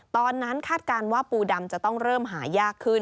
คาดการณ์ว่าปูดำจะต้องเริ่มหายากขึ้น